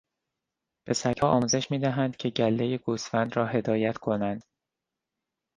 به سگها آموزش میدهند که گلهی گوسفند را هدایت کنند.